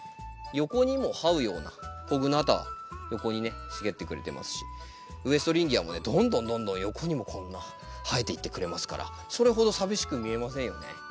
横にも這うようなコグナータ横にね茂ってくれてますしウエストリンギアもねどんどんどんどん横にもこんな生えていってくれますからそれほど寂しく見えませんよね。